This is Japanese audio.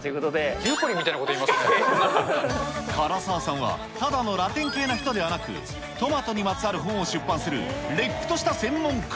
ゆうこりんみたいなこと、唐沢さんはただのラテン系な人ではなく、トマトにまつわる本を出版するれっきとした専門家。